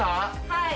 ・はい。